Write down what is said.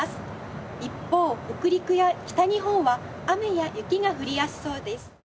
一方北陸や北日本は雨や雪が降りやすそうです。